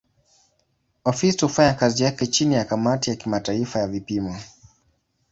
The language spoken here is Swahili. Ofisi hufanya kazi yake chini ya kamati ya kimataifa ya vipimo.